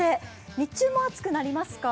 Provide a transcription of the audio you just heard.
日中も暑くなりますか？